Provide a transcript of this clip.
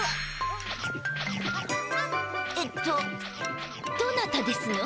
えっとどなたですの？